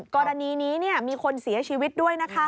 กรณีนี้มีคนเสียชีวิตด้วยนะคะ